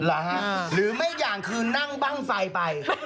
หรือไม่อย่างคือนั่งบ้างไฟไป